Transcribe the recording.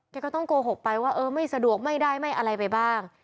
ก็ต้องโกหกไปว่าเออไม่สะดวกไม่ได้ไม่อะไรไปบ้าง